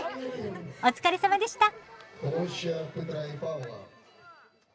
お疲れさまでした。